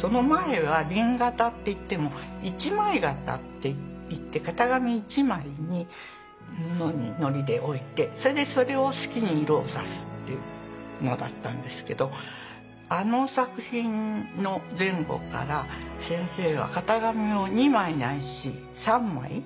その前は紅型っていっても一枚型っていって型紙１枚にのりで置いてそれでそれを好きに色を差すっていうのだったんですけどあの作品の前後から先生は型紙を２枚ないし３枚使う。